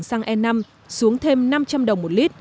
xăng e năm xuống thêm năm trăm linh đồng một lít